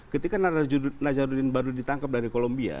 ketika nazaruddin baru ditangkap dari kolombia